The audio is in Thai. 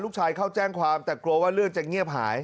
เข้าแจ้งความแต่กลัวว่าเรื่องจะเงียบหาย